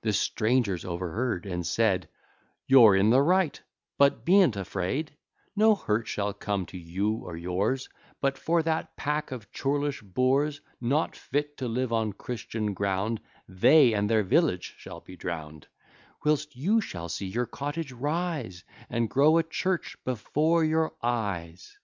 The strangers overheard, and said, "You're in the right but be'nt afraid: No hurt shall come to you or yours: But for that pack of churlish boors, Not fit to live on Christian ground, They and their village shall be drown'd; Whilst you shall see your cottage rise, And grow a church before your eyes."